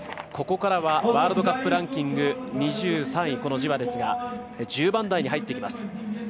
ここからはワールドカップランキング２３位がジワですが１０番台に入ってきます。